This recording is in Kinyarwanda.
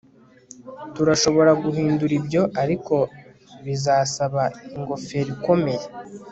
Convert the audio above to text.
turashobora guhindura ibyo, ariko bizasaba ingofero ikomeye